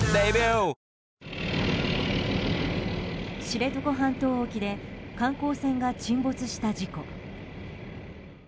知床半島沖で観光船が沈没した事故。